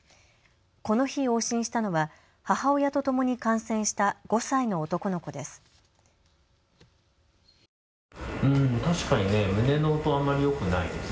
この日、往診したのは母親とともに感染した５歳の男の子です。